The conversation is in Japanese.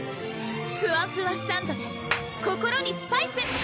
ふわふわサンドｄｅ心にスパイス！